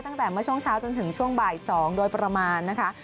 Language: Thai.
ตั้งแต่เมื่อช่วงเช้าจนถึงช่วงบ่าย๒โดยประมาณนะคะ